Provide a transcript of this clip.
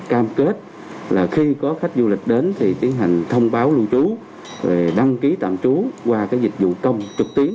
cam kết là khi có khách du lịch đến thì tiến hành thông báo lưu trú đăng ký tạm trú qua dịch vụ công trực tiến